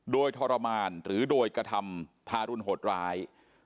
โดยทรมานหรือโดยกระทำทารุณโหดร้าย